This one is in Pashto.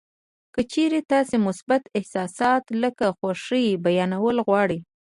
که چېرې تاسې مثبت احساسات لکه خوښي بیانول غواړئ